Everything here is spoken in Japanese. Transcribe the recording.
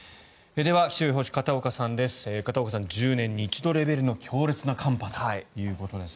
では、気象予報士片岡さんです。